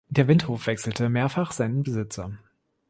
Der Windhof wechselte mehrfach seinen Besitzer.